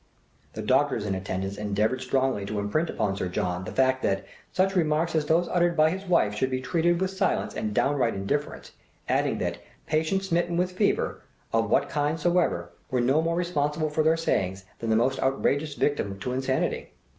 The doctors in attendance endeavoured strongly to imprint upon Sir John the fact that "such remarks as those uttered by his wife should be treated with silence and downright indifference," adding that "patients smitten with fever, of what kind soever, were no more responsible for their sayings than the most outrageous victim to insanity."